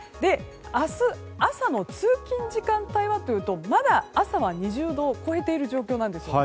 明日朝の通勤時間帯はまだ朝は２０度超えている状況なんです。